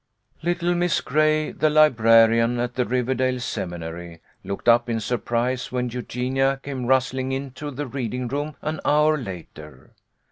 Little Miss Gray, the librarian at the Riverdale Seminary, looked up in surprise when Eugenia came rustling into the reading room an hour later.